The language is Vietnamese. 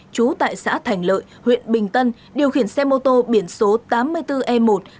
trú tại xã thành lợi huyện bình tân điều khiển xe mô tô biển số tám mươi bốn e một hai mươi bảy nghìn một trăm hai mươi hai